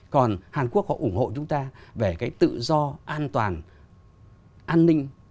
còn hàn quốc họ ủng hộ chúng ta về cái tự do an toàn an ninh